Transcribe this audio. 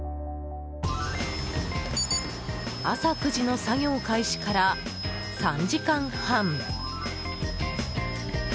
朝９時の作業開始から３時間半。